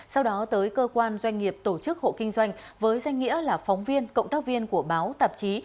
sau đó tới cơ quan doanh nghiệp tổ chức hộ kinh doanh với danh nghĩa là phóng viên cộng tác viên của báo tạp chí